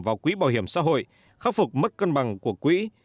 vào quỹ bảo hiểm xã hội khắc phục mất cân bằng của quỹ